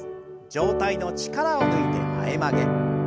上体の力を抜いて前曲げ。